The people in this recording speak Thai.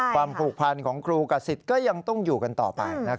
ความผูกพันของครูกับสิทธิ์ก็ยังต้องอยู่กันต่อไป